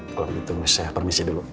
kalau begitu saya permisi dulu